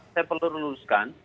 saya perlu menuruskan